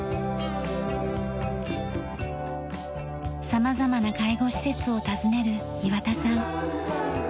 様々な介護施設を訪ねる岩田さん。